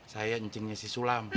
saya ncingnya si sulam